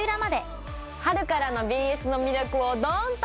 春からのＢＳの魅力をどんと。